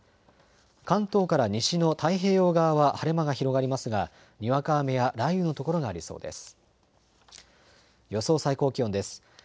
関東から西の太平洋側は晴れ間が広がりますが、にわか雨や雷雨の所がありそうです。